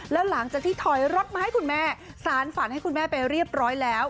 แล้วหลังจากที่ถอยรถมาให้คุณแม่สารฝันให้คุณแม่ไปเรียบร้อยแล้ว